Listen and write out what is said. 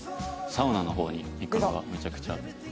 サウナの方に行くのがめちゃくちゃ。